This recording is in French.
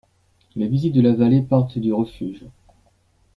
Les visites de la vallée partent du refuge.